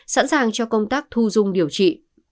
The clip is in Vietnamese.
sẵn sàng cho công tác thu dung điều trị